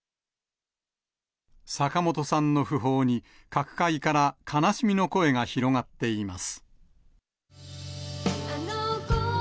坂本さんの訃報に、各界から悲しみの声が広がっています。